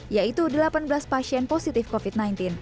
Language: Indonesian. yaitu delapan belas pasien positif covid sembilan belas